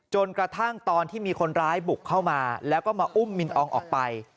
จนกระทั่งตอนที่มีคนร้ายบุกเข้ามาแล้วก็มาอุ้มมินอองออกไป